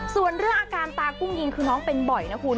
ส่วนเรื่องอาการตากุ้งยิงคือน้องเป็นบ่อยนะคุณ